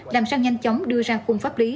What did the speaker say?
làm sao nhanh chóng đưa ra khung pháp lý